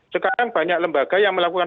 sekarang banyak lembaga yang melakukan